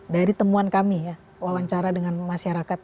dari temuan kami ya wawancara dengan masyarakat